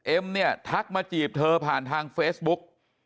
เอ็มเนี่ยทักมาจีบเธอผ่านทางเฟซบุ๊ก